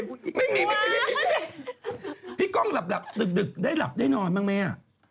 เป็นผู้หญิงไม่พี่ก้องหลับตึกได้หลับได้นอนบ้างไหม